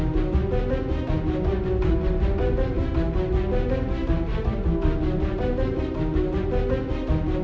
นี่